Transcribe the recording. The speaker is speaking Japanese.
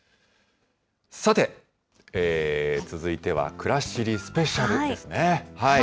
さて、続いてはくらしりスペシャルですね。